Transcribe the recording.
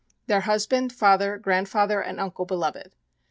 Their husband, father, grandfather and uncle beloved.